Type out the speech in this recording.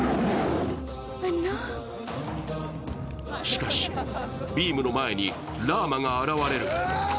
しかしビームの前にラーマが現れる。